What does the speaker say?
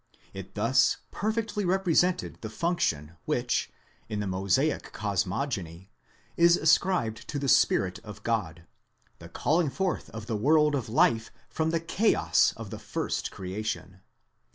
it thus perfectly represented the function which, in the Mosaic cosmogony, is ascribed to the Spirit of God,—the calling forth of the world of life from the chaos of the first creation.